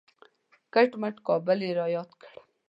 کټ مټ کابل یې را یاد کړ.